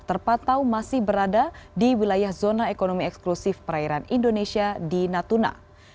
terpatau masih berada di wilayah zona ekonomi eksklusif perairan indonesia di natuna